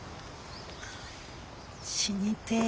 死にてえ。